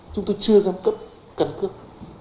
chúng tôi chưa dám cấp căn cước